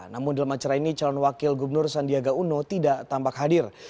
namun dalam acara ini calon wakil gubernur sandiaga uno tidak tampak hadir